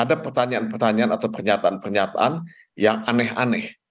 ada pertanyaan pertanyaan atau pernyataan pernyataan yang aneh aneh